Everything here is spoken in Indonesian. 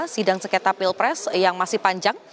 sidang sengketa pilpres yang masih panjang